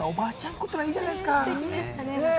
子っていいじゃないですか。